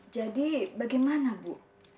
jadi bagaimana bu